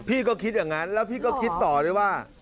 พี่ก็คิดอย่างนั้นแล้วพี่ก็คิดต่อด้วยว่า